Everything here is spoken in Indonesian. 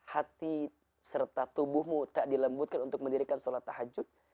hati serta tubuhmu tak dilembutkan untuk mendirikan sholat tahajud